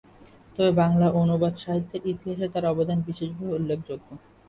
তবে বাংলা অনুবাদ সাহিত্যের ইতিহাসে তার অবদান বিশেষভাবে উল্লেখযোগ্য।